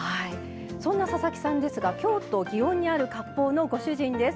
そんな佐々木さんですが京都・祇園にあるかっぽうのご主人です。